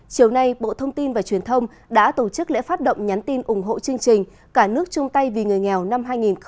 chiều nay bộ thông tin và truyền thông đã tổ chức lễ phát động nhắn tin ủng hộ chương trình cả nước chung tay vì người nghèo năm hai nghìn hai mươi